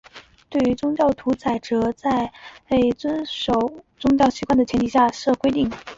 对于宗教屠宰则在遵守宗教习惯的前提下另设规定。